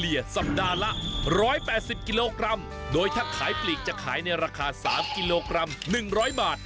สัปดาห์ละ๑๘๐กิโลกรัมโดยถ้าขายปลีกจะขายในราคา๓กิโลกรัม๑๐๐บาท